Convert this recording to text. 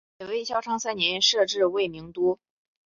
北魏孝昌三年设置魏明郡。